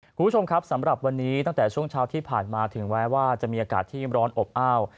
คุณผู้ชมครับสำหรับวันนี้ตั้งแต่ช่วงเช้าที่ผ่านมาถึงแม้ว่าจะมีอากาศที่ร้อนอบอ้าว